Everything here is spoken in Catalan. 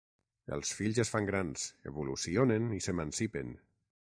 Els fills es fan grans, evolucionen i s'emancipen.